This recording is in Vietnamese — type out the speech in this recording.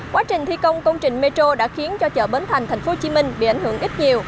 quá trình thi công công trình metro đã khiến cho chợ bến thành tp hcm bị ảnh hưởng ít nhiều